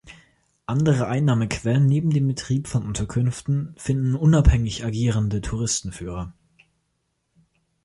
Andere Einnahmequellen neben dem Betrieb von Unterkünften finden unabhängig agierenden Touristenführer.